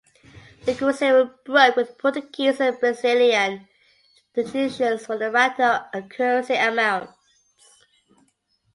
The cruzeiro broke with Portuguese and Brazilian traditions for the writing of currency amounts.